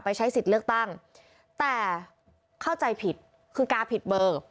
ใช้สิทธิ์เลือกตั้งแต่เข้าใจผิดคือกาผิดเบอร์